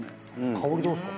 香りどうですか？